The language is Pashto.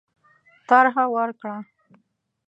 طرح ورکړه.